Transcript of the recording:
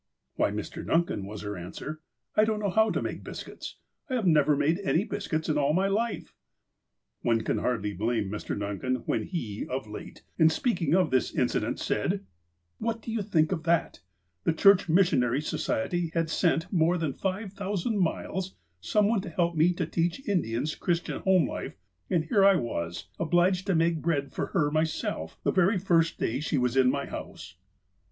"Why, Mr. Duncan," was her answer, "I don't know how to make biscuits. I never made any biscuits in all my life." One can hardly blame Mr. Duncan, when he, of late, in speaking of this incident, said : "What do you think of that 1 The Church Missionary Society had sent more than five thousand miles, some one to hell) me to teach the Indians Christian home life, and here I was, obliged to make bread for her myself, the very first day she was in my house."